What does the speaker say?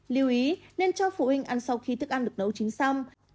lưu ý nên cho phụ huynh ăn sau khi thức ăn được nấu chính xong